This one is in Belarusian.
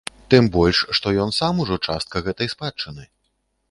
Тым больш што ён сам ужо частка гэтай спадчыны.